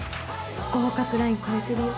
合格ライン越えてるよ。